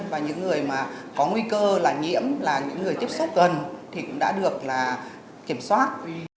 và những người mà có nguy cơ là nhiễm là những người tiếp xúc gần thì cũng đã được kiểm soát